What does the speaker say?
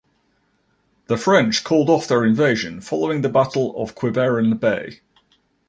The French called off their invasion following the Battle of Quiberon Bay.